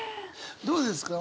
どうですか？